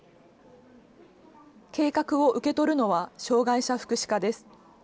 計画を受け取るのは障害者福祉課です。